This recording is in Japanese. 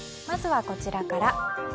まずは、こちらから。